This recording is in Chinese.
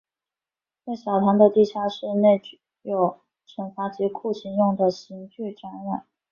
在小堂的地下室内有惩罚及酷刑用的刑具展览。